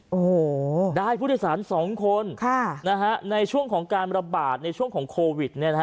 โอ้โหได้ผู้โดยสาร๒คนในช่วงของการระบาดในช่วงของโควิด